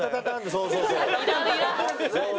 そうそうそうそう。